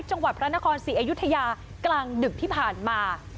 จังหวัดพระนครศรีอยุธยากลางดึกที่ผ่านมา